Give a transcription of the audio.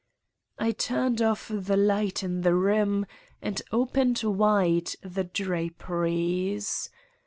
I turned off the light in the room and opened wide the drap eries.